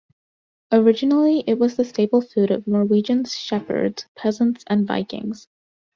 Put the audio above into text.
Originally it was the staple food of Norwegian shepherds, peasants, and Vikings.